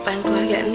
mak aku mau ke rumah